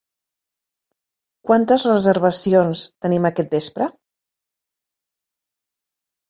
Quantes reservacions tenim aquest vespre?